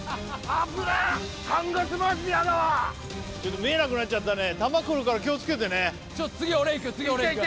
見えなくなっちゃったね、弾来るから気をつけてね。